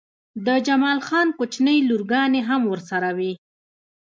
د جمال خان کوچنۍ لورګانې هم ورسره وې